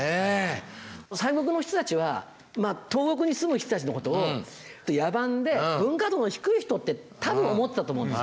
西国の人たちは東国に住む人たちのことを野蛮で文化度の低い人って多分思ってたと思うんです。